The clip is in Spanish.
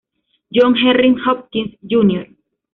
John Henry Hopkins, Jr.